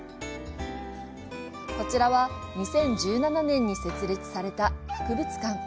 こちらは２０１７年に設立された博物館。